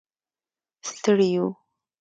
ستړي و.